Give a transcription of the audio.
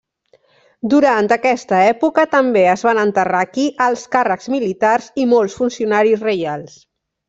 Durant aquesta època també es van enterrar aquí alts càrrecs militars i molts funcionaris reials.